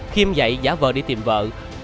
khiêm dậy giả vờ đi tìm vợ